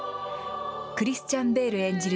クリスチャン・ベール演じる